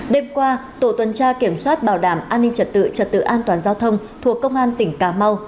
đêm qua tổ tuần tra kiểm soát bảo đảm an ninh trật tự trật tự an toàn giao thông thuộc công an tỉnh cà mau